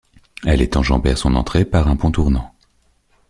Elle est enjambée à son entrée par un pont tournant.